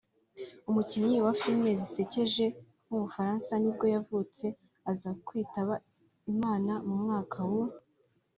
umukinnyi wa film zisekeje w’umufaransa nibwo yavutse aza kwitaba Imana mu mwaka w’